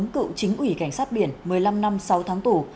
cựu chính ủy cảnh sát biển một mươi năm năm sáu tháng tù